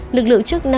lực lượng trước năm